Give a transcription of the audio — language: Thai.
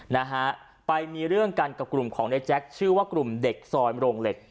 นะฮะไปมีเรื่องกันกับกลุ่มของในแจ๊คชื่อว่ากลุ่มเด็กซอยโรงเหล็ก